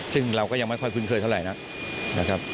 ซึ่งเราก็ยังไม่ค่อยคุ้นเคิด